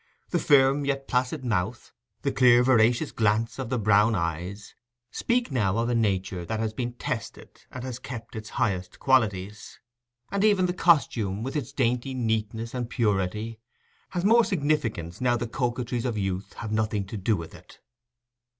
The firm yet placid mouth, the clear veracious glance of the brown eyes, speak now of a nature that has been tested and has kept its highest qualities; and even the costume, with its dainty neatness and purity, has more significance now the coquetries of youth can have nothing to do with it.